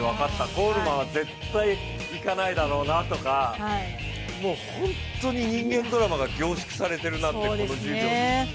コールマンは絶対いかないだろうなとか、本当に人間ドラマが凝縮されてるなと、この１０秒に。